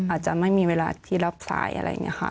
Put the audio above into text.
อาจจะไม่มีเวลาที่รับสายอะไรอย่างนี้ค่ะ